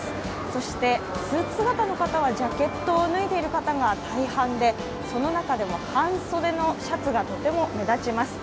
そしてスーツ姿の人はジャケットを脱いでいる方が大半でその中でも半袖のシャツがとても目立ちます。